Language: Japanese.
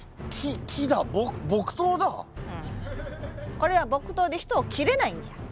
これは木刀で人を斬れないんじゃ。